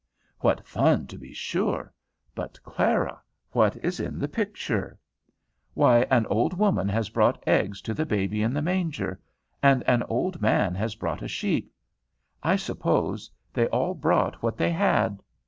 "What fun, to be sure; but, Clara, what is in the picture?" "Why, an old woman has brought eggs to the baby in the manger, and an old man has brought a sheep. I suppose they all brought what they had."